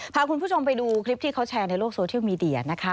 พาคุณผู้ชมไปดูคลิปที่เขาแชร์ในโลกโซเชียลมีเดียนะคะ